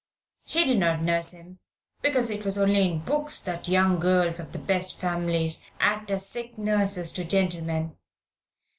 She did not nurse him, because it is only in books that young girls of the best families act as sick nurses to gentlemen.